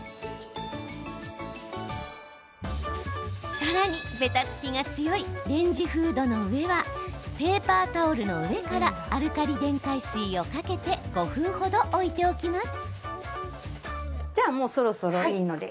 さらに、べたつきが強いレンジフードの上はペーパータオルの上からアルカリ電解水をかけて５分程置いておきます。